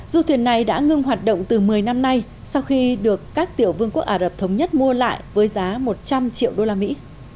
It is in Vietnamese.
du thuyền này đã ngưng hoạt động từ một mươi năm nay sau khi được các tiểu vương quốc ả rập thống nhất mua lại với giá một trăm linh triệu đô la mỹ